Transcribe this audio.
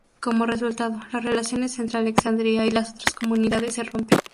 Como resultado, las relaciones entre Alexandría y las otras comunidades se rompen.